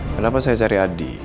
kenapa saya cari adi